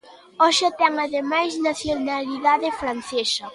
Hoxe ten, ademais, nacionalidade francesa.